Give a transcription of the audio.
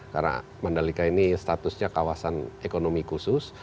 karena mandalika ini statusnya kawasan ekonomi khusus